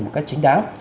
một cách chính đáng